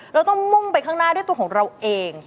เราต้องมุ่งไปข้างหน้าด้วยตัวของเราเอง